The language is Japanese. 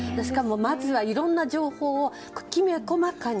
まずは、いろんな情報をきめ細かに。